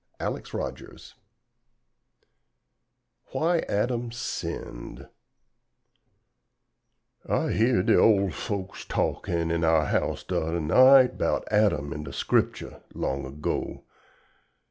Alex Rogers WHY ADAM SINNED "I heeard da ole folks talkin' in our house da other night 'Bout Adam in da scripchuh long ago.